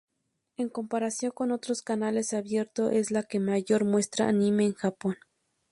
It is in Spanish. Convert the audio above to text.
En comparación con otros canales abiertos, es la que mayor muestra anime en Japón.